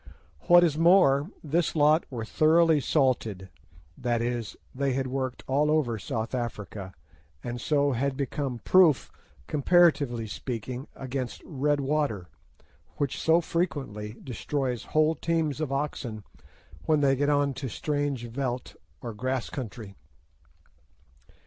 What is more, this lot were thoroughly "salted," that is, they had worked all over South Africa, and so had become proof, comparatively speaking, against red water, which so frequently destroys whole teams of oxen when they get on to strange "veldt" or grass country.